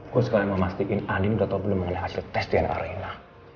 gue sekalian mau mastiin adin betul betul mengenai hasil tes di arena